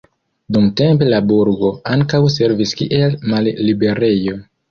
Dumtempe la burgo ankaŭ servis kiel malliberejo.